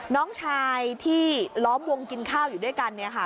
น้องชายที่ล้อมวงกินข้าวอยู่ด้วยกัน